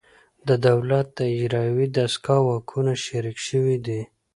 د دولت د اجرایوي دستگاه واکونه شریک شوي دي